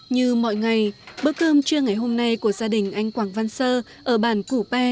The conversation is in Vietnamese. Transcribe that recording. như mọi ngày bữa cơm trưa ngày hôm nay của gia đình anh quảng văn sơ ở bản củ pê